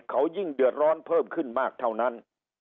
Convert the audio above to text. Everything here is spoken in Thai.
เขายิ่งเดือดร้อนเพิ่มขึ้นมากเท่านั้น